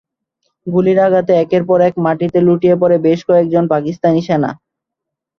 গুলির আঘাতে একের পর এক মাটিতে লুটিয়ে পড়ে বেশ কয়েকজন পাকিস্তানি সেনা।